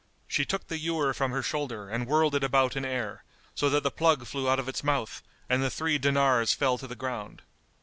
She took the ewer from her shoulder and whirled it about in air, so that the plug flew out of its mouth and the three dinars fell to the ground.